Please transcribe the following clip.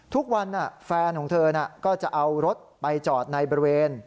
แฟนของเธอก็จะเอารถไปจอดในบริเวณ